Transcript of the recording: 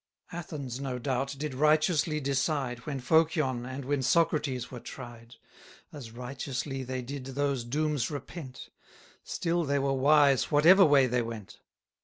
Athens, no doubt, did righteously decide, When Phocion and when Socrates were tried: As righteously they did those dooms repent; Still they were wise whatever way they went.